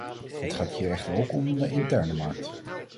Het gaat hier echter ook om de interne markt.